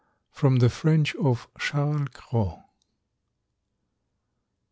(_From the French of Charles Cros.